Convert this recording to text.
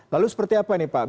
lalu seperti apa ini pak